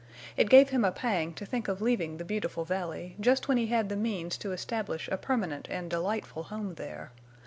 It gave him a pang to think of leaving the beautiful valley just when he had the means to establish a permanent and delightful home there.